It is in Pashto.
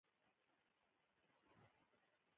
د زړه سپیڅلتیا یو روحاني خوند لري.